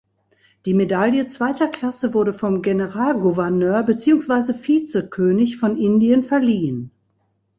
Die Medaille zweiter Klasse wurde vom Generalgouverneur beziehungsweise Vizekönig von Indien verliehen.